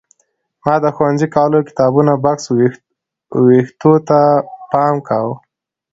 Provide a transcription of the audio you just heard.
ما د ښوونځي کالیو کتابونو بکس وېښتو ته پام کاوه.